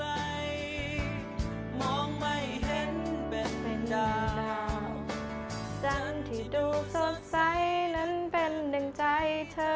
หากมันเป็นจริงเธอเก็บเอาจันมาใส่ใจ